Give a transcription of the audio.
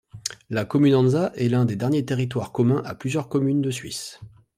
La comunanza est l'un des derniers territoires communs à plusieurs communes de Suisse.